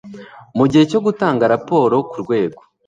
Mu gihe cyo gutanga raporo ku Rwego